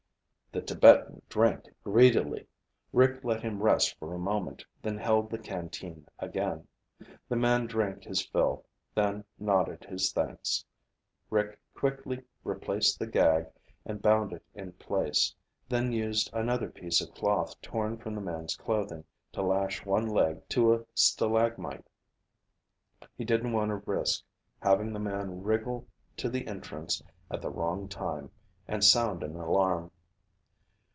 The Tibetan drank greedily. Rick let him rest for a moment, then held the canteen again. The man drank his fill, then nodded his thanks. Rick quickly replaced the gag and bound it in place, then used another piece of cloth torn from the man's clothing to lash one leg to a stalagmite. He didn't want to risk having the man wriggle to the entrance at the wrong time, and sound an alarm.